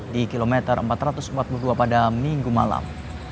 di kilometer empat ratus empat puluh dua pada minggu malam